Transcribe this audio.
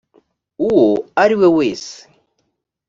uwo ari we wese